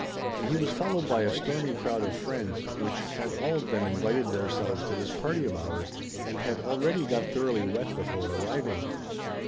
And he was followed by a stormy crowd of friends which had all of them invited theirselves to this party of ours, and had already got thoroughly wet before arriving.